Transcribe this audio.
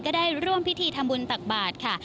ได้ร่วมพิธีทำบุญตักบาทค่ะ